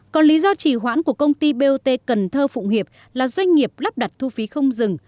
còn lý do chỉ hoãn của công ty bot cần thơ phụng hiệp là doanh nghiệp lắp đặt thu phí không dừng